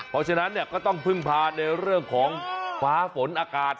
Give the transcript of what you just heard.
เพราะฉะนั้นก็ต้องพึ่งพาในเรื่องของฟ้าฝนอากาศ